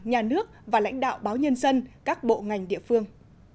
nhà nước và lãnh đạo báo nhân dân các bộ ngành địa phương